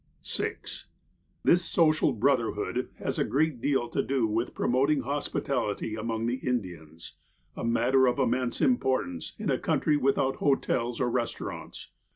"(6) This social brotherhood has a great deal to do with promoting hospitality among the Indians, a matter of immense importance in a country without hotels or restaurants.